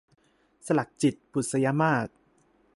สลักจิต - บุษยมาส